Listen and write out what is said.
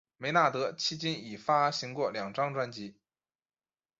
梅纳德迄今已发行过两张专辑。